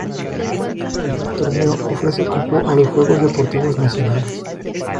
El torneo ofrece cupo a los Juegos Deportivos Nacionales.